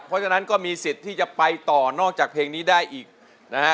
เพราะฉะนั้นก็มีสิทธิ์ที่จะไปต่อนอกจากเพลงนี้ได้อีกนะฮะ